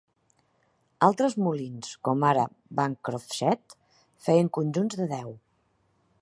Altres molins, com ara Bancroft Shed, feien conjunts de deu.